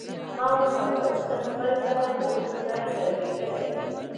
ما ورته وویل: زه خپله اوس سر ګرځېدلی یم.